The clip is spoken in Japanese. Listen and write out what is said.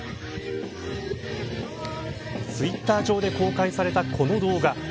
ツイッター上で公開されたこの動画